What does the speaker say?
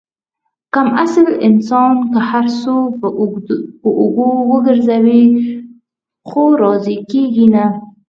کم اصل انسان که هر څو په اوږو وگرځوې، خو راضي کېږي نه.